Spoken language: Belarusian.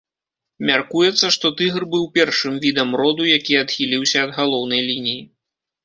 Мяркуецца, што тыгр быў першым відам роду, які адхіліўся ад галоўнай лініі.